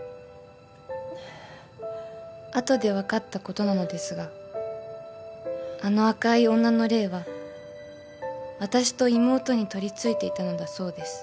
［後で分かったことなのですがあの赤い女の霊は私と妹に取りついていたのだそうです］